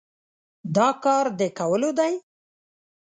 دا کار د کولو دی؟